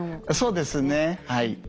そうですねはい。